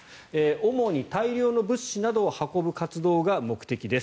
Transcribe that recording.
主に大量の物資などを運ぶ活動が目的です。